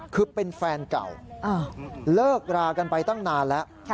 คือเป็นแฟนเก่าเลิกรากันไปตั้งนานแล้ว